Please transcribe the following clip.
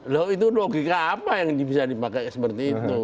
loh itu logika apa yang bisa dipakai seperti itu